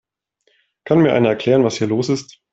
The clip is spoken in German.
Kann mir einer erklären, was hier los ist?